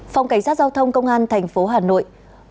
phòng cảnh sát giao thông công an thành phố hà nội